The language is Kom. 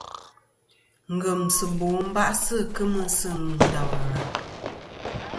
Ngemsɨbo ba'sɨ kemɨ sɨ Ndawara.